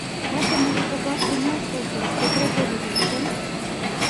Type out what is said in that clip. — Вате-марий коклаште мо ышталтеш — секрет огыл вет, чын?